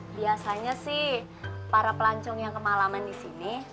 biasanya sih para pelancong yang kemalaman di sini